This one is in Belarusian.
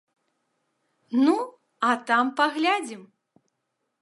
Ну, а там паглядзім!